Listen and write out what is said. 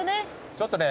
ちょっとね